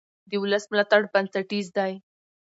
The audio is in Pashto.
د ولس ملاتړ بنسټیز دی